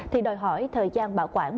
thì đòi hỏi thời gian bảo quản